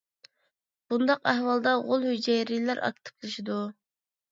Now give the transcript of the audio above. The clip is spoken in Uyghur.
بۇنداق ئەھۋالدا غول ھۈجەيرىلەر ئاكتىپلىشىدۇ.